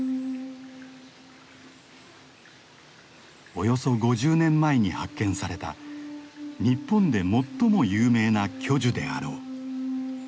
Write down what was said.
およそ５０年前に発見された日本で最も有名な巨樹であろう。